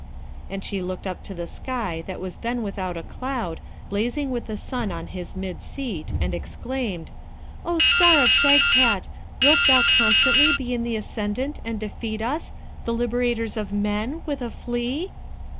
And she looked up to the sky that was then without a cloud, blazing with the sun on his mid seat, and exclaimed, 'O star of Shagpat! wilt thou constantly be in the ascendant, and defeat us, the liberators of men, with a flea?'